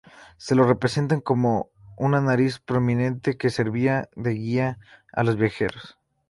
Se lo representan con una nariz prominente, que servía de guía a los viajeros.